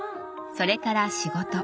それから仕事。